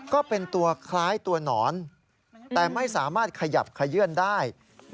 ก็เป็นตัวคล้ายตัวหนอนแต่ไม่สามารถขยับขยื่นได้